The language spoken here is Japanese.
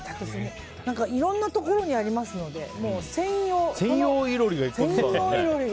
いろんなところにありますので専用囲炉裏が。